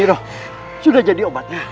niro sudah jadi obatnya